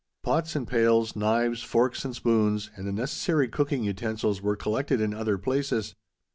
Pots and pails, knives, forks, and spoons, and the necessary cooking utensils were collected in other places.